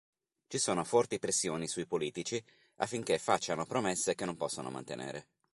Ci sono forti pressioni sui politici affinché facciano promesse che non possono mantenere.